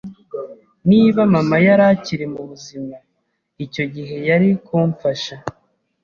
Niba mama yari akiri muzima, icyo gihe yari kumfasha.